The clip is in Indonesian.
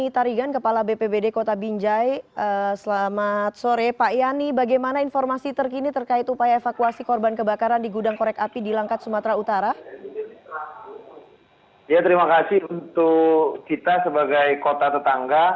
terima kasih untuk kita sebagai kota tetangga